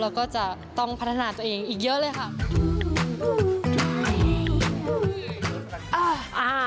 แล้วก็จะต้องพัฒนาตัวเองอีกเยอะเลยค่ะ